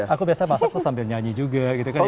aku biasanya masak tuh sambil nyanyi juga gitu kan ya